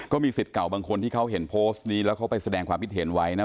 สิทธิ์เก่าบางคนที่เขาเห็นโพสต์นี้แล้วเขาไปแสดงความคิดเห็นไว้นะ